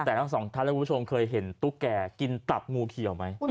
แต่ทั้งสองท่านและคุณผู้ชมเคยเห็นตุ๊กแก่กินตับงูเขียวไหม